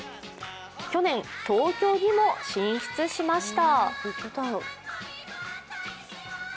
去年、東京にも進出しました。